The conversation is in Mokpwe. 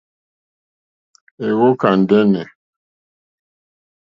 Èwókà ndɛ́nɛ̀.